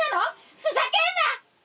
ふざけんな！